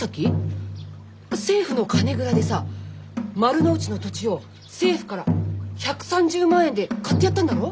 政府の金蔵でさ丸の内の土地を政府から１３０万円で買ってやったんだろう？